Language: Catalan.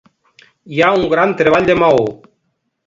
Hi ha un gran treball de maó.